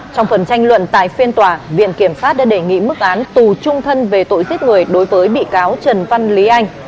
trong phần tranh luận tại phiên tòa viện kiểm sát đã đề nghị mức án tù trung thân về tội giết người đối với bị cáo trần văn lý anh